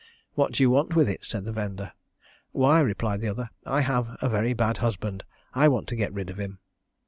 'What do you want with it?' said the vender: 'Why,' replied the other, 'I have a very bad husband, and I want to get rid of him.'